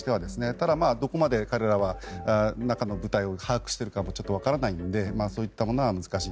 ただ、どこまで彼らは中の部隊を把握しているか分からないのでそういったものは難しい。